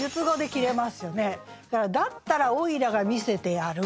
それから「だったらおいらが見せてやる」。